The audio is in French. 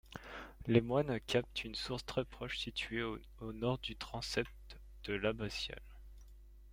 Les moines captent une source très proche, située au nord du transept de l'abbatiale.